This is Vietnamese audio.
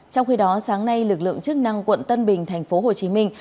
trong khi đó sáng nay lực lượng chức năng quận tân bình thành phố hồ chí minh